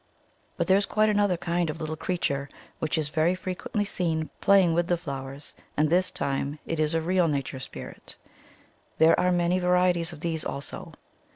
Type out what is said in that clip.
*'But there is quite another kind of lit tle creature which is very frequently seen playing about with flowers, and this time it is a real nature spirit. There are many va rieties of these also.